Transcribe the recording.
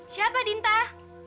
siapa di lintang